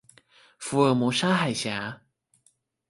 福爾摩沙海峽